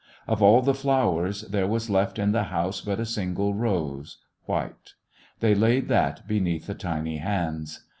Of all the flowers, there was left in the house but a single rose, white; they laid that beneath the tiny hands.